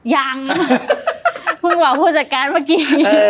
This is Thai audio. ยังเพิ่งบอกผู้จัดการเมื่อกี้